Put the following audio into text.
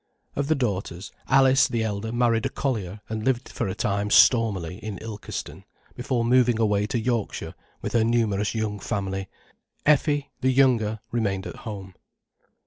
Of the daughters, Alice, the elder, married a collier and lived for a time stormily in Ilkeston, before moving away to Yorkshire with her numerous young family. Effie, the younger, remained at home.